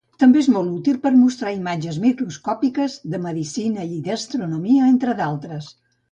També és molt útil per a mostrar imatges microscòpiques, de medicina, i d'astronomia, entre d'altres.